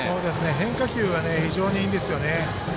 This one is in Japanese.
変化球は非常にいいんですよね。